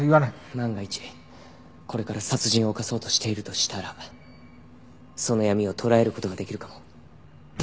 万が一これから殺人を犯そうとしているとしたらその闇を捉える事ができるかも。